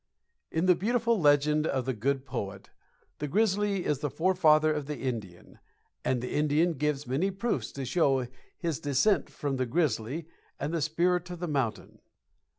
In the beautiful legend of the Good Poet the grizzly is the forefather of the Indian, and the Indian gives many proofs to show his descent from the grizzly and the Spirit of the Mountain.